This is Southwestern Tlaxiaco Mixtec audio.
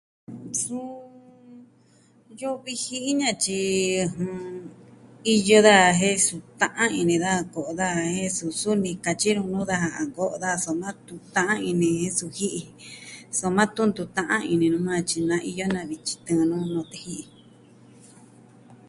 Suu, iyo viji iña tyi iyo daja jen su ta'an ini daja ko'o daja jen suu suni katyi nu nuu daja a nko'o daja soma tun ta'an ini jin jen su ji'i ji. Soma tun ntu ta'a ini nu majan tyi na iyo navi tyi tɨɨn nu nute ji'i.